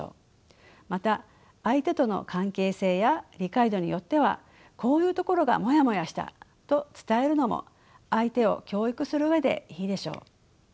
また相手との関係性や理解度によってはこういうところがモヤモヤしたと伝えるのも相手を教育する上でいいでしょう。